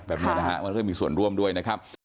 มันก็จะมีส่วนร่วมด้วยนะครับ